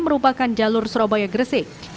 merupakan jalur surabaya gresik